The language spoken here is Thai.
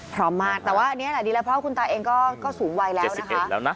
พร้อมมากแต่ว่าอันนี้แหละดีแล้วเพราะคุณตาเองก็สูงวัยแล้วนะคะ